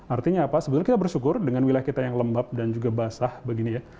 artinya apa sebetulnya kita bersyukur dengan wilayah kita yang lembab dan juga basah begini ya